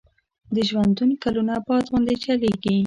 د ژوندون کلونه باد غوندي چلیږي